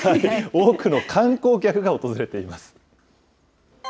多くの観光客が訪れています。